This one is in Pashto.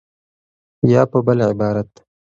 یا په بل عبارت